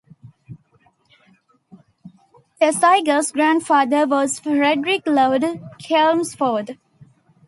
Thesiger's grandfather was Frederic Lord Chelmsford.